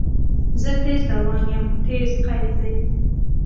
زه تیز روان یم – "تیز" قید دی.